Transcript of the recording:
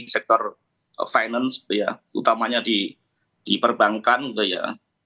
sektor finance utamanya di perbankan gitu ya